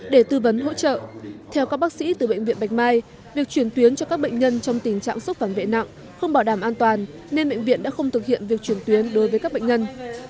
để tư vấn hỗ trợ theo các bác sĩ từ bệnh viện bạch mai việc chuyển tuyến cho các bệnh nhân trong tình trạng sốc phản vệ nặng không bảo đảm an toàn nên bệnh viện đã không thực hiện việc chuyển tuyến đối với các bệnh nhân